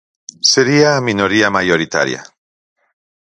Sería a minoría maioritaria.